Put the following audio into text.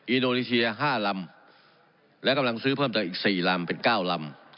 อีโนรีเชียห้าลำและกำลังซื้อเพิ่มจากอีกสี่ลำเป็นเก้าลำ